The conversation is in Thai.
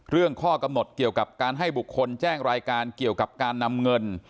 ข้อกำหนดเกี่ยวกับการให้บุคคลแจ้งรายการเกี่ยวกับการนำเงิน